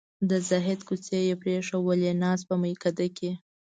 د زهد کوڅې یې پرېښوولې ناست په میکده کې